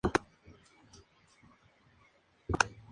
Cumbre de los Gobiernos de España y Portugal, celebrada en Braga.